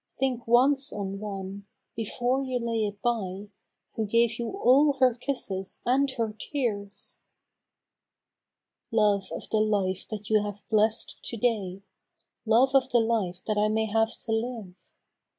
Think once on one, before you lay it by, Who gave you all her kisses and her tears ! 13 Love of the life that you have bless'd to day ! Love of the life that I may have to live